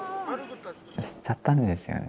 知っちゃったんですよね